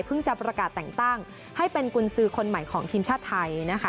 จะประกาศแต่งตั้งให้เป็นกุญสือคนใหม่ของทีมชาติไทยนะคะ